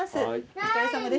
お疲れさまです。